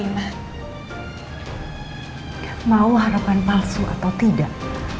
mau harapan palsu atau tidak